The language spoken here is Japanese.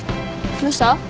どうした？